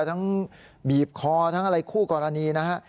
ทั้งบีบคอทั้งอะไรคู่กรณีนะฮะ